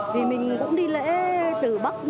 vì mình cũng đi lễ tử bắc